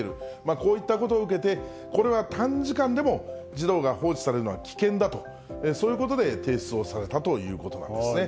こういったことを受けて、これは短時間でも児童が放置されるのは危険だと、そういうことで提出をされたということなんですね。